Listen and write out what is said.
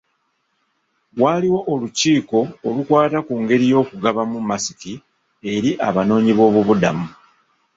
Waaliwo olukiiko olukwata ku ngeri y'okugabamu masiki eri abanoonyi b'obubuddamu.